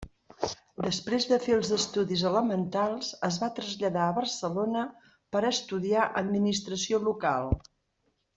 Després de fer els estudis elementals, es va traslladar a Barcelona per estudiar administració local.